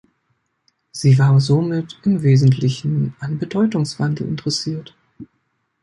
Sie war somit im Wesentlichen an Bedeutungswandel interessiert.